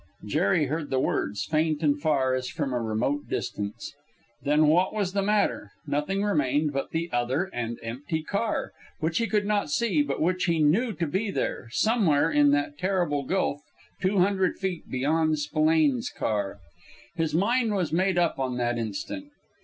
Jerry heard the words, faint and far, as from a remote distance. Then what was the matter? Nothing remained but the other and empty car, which he could not see, but which he knew to be there, somewhere in that terrible gulf two hundred feet beyond Spillane's car. His mind was made up on the instant.